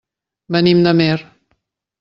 Venim d'Amer.